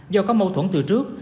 do có mâu thuẫn từ trước